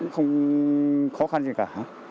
không khó khăn gì cả